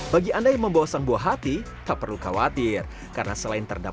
bagi anda yang membawa sang buah hati tak perlu khawatir